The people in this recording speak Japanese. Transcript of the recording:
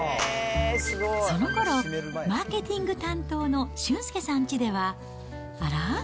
そのころ、マーケティング担当の俊祐さんちでは、あら？